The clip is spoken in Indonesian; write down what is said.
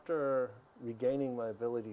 mereka mendukung saya